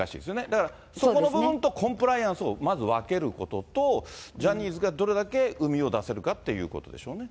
だから、そこの部分とコンプライアンスをまず分けることと、ジャニーズがどれだけうみを出せるかっていうことでしょうね。